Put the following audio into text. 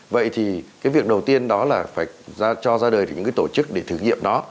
vậy thì cái việc đầu tiên đó là phải cho ra đời thì những cái tổ chức để thử nghiệm đó